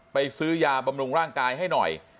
ซื้อยาบำรุงร่างกายให้หน่อย